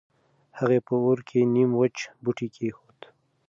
هغې په اور کې نيم وچ بوټی کېښود.